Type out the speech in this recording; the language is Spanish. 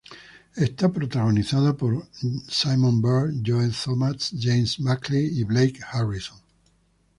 Es protagonizada por Simon Bird, Joe Thomas, James Buckley y Blake Harrison.